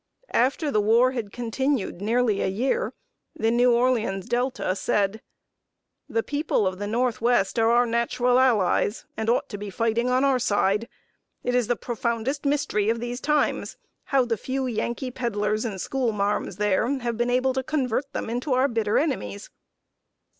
After the war had continued nearly a year, The New Orleans Delta said: "The people of the Northwest are our natural allies, and ought to be fighting on our side. It is the profoundest mystery of these times how the few Yankee peddlers and school marms there have been able to convert them into our bitter enemies."